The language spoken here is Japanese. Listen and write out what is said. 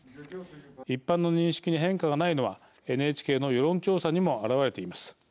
一般の認識に変化がないのはＮＨＫの世論調査にも表れています。